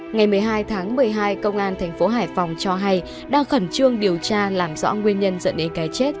ngày một mươi hai tháng một mươi hai công an thành phố hải phòng cho hay đang khẩn trương điều tra làm rõ nguyên nhân dẫn đến cái chết